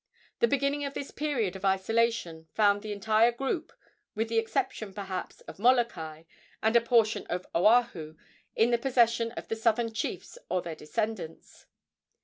The beginning of this period of isolation found the entire group, with the exception, perhaps, of Molokai and a portion of Oahu, in the possession of the southern chiefs or their descendants.